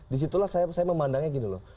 disitulah saya memandangnya gini loh